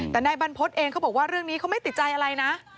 แต่นายบรรพฤษเองเขาบอกว่าเรื่องนี้เขาไม่ติดใจอะไรนะ